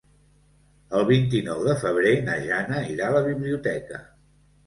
El vint-i-nou de febrer na Jana irà a la biblioteca.